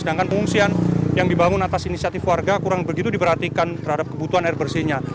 sedangkan pengungsian yang dibangun atas inisiatif warga kurang begitu diperhatikan terhadap kebutuhan air bersihnya